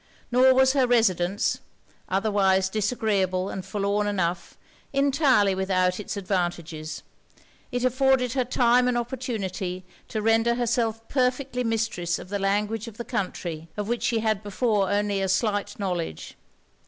Nor was her residence, (otherwise disagreeable and forlorn enough,) entirely without it's advantages: it afforded her time and opportunity to render herself perfectly mistress of the language of the country; of which she had before only a slight knowledge.